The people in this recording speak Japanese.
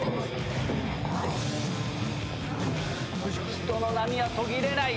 人の波は途切れない。